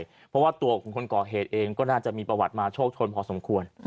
เพราะว่าตัวของคนก่อเหตุเองก็น่าจะมีประวัติมาโชคชนพอสมควร